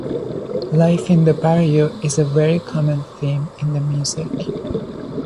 Life in the barrio is a very common theme in the music.